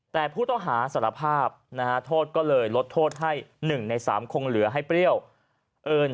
แต่ผู้ต้องหาสารภาพนะฮะโทษก็เลยลดโทษให้๑ใน๓คงเหลือให้เปรี้ยวเอิญ